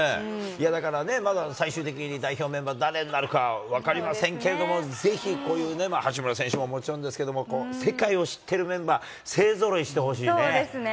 だからね、まだ最終的に代表メンバー、誰になるか、分かりませんけれども、ぜひこういうね、八村選手ももちろんですけど、世界を知ってるメンバー、そうですね。